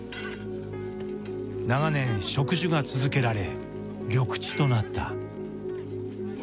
長年植樹が続けられ緑地となった。